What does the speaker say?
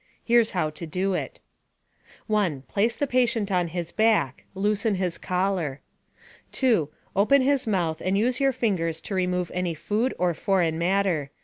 Here is how to do it: 1. Place the patient on his back. Loosen his collar. 2. Open his mouth and use your fingers to remove any food or foreign matter.